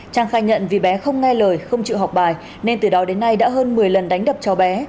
trang khai nhận vì bé không nghe lời không chịu học bài nên từ đó đến nay đã hơn một mươi lần đánh đập cháu bé